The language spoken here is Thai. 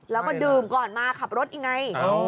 แล้วก็ดื่มก่อนมาขับรถอีกไง